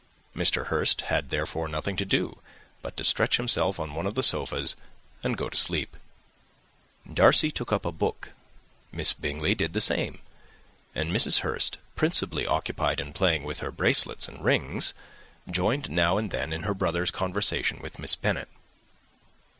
Mr. Hurst had, therefore, nothing to do but to stretch himself on one of the sofas and go to sleep. Darcy took up a book. Miss Bingley did the same; and Mrs. Hurst, principally occupied in playing with her bracelets and rings, joined now and then in her brother's conversation with Miss Bennet.